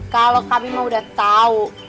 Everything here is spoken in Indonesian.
kalau kami mah udah tahu